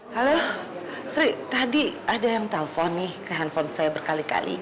halo sri tadi ada yang telpon nih ke handphone saya berkali kali